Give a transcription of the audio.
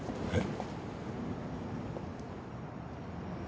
えっ？